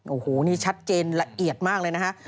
โอ้โหนี่ชัดเจนละเอียดมากเลยนะฮะ